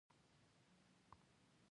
دویمه پوښتنه: د احمدشاه بابا موخې کومې وې؟